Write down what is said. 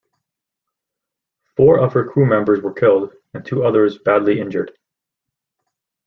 Four of her crew members were killed, and two others badly injured.